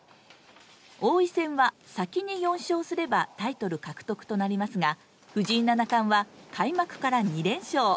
王位戦は先に４勝すればタイトル獲得となりますが藤井七冠は開幕から２連勝。